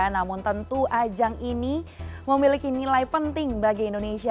namun tentu ajang ini memiliki nilai penting bagi indonesia